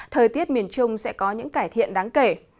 thời tiết miền trung sẽ có những cải thiện đáng kể